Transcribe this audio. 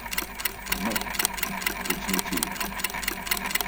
Non, c’est inutile.